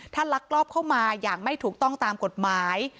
ถ้าลักลอบเข้ามาอย่างไม่ถูกต้องตามกฎหมาย